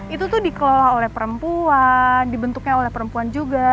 itu tuh dikelola oleh perempuan dibentuknya oleh perempuan juga